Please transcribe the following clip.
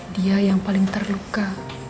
dia yang paling terluka